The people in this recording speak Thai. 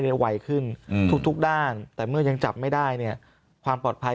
ไวขึ้นทุกด้านแต่เมื่อยังจับไม่ได้เนี่ยความปลอดภัย